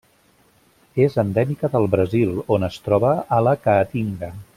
És endèmica del Brasil, on es troba a la Caatinga.